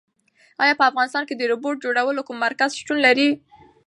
ایا په افغانستان کې د روبوټ جوړولو کوم مرکز شتون لري؟